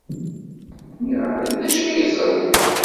Nniɣ-ak d acu ay ẓriɣ.